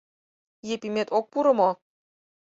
Епимет ок пуро мо?